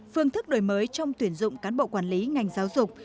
phương thức đổi mới trong tuyển dụng cán bộ quản lý ngành giáo dục